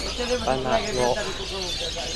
ประหยัดงบ